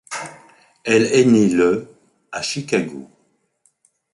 Elle est née le à Chicago.